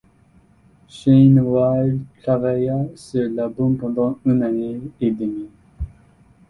Shayne Ward travailla sur l’album pendant une année et demi.